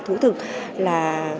thú thực là